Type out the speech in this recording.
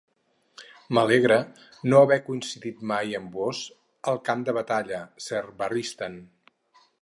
M'alegra no haver coincidit mai amb vós al camp de batalla, Ser Barristan.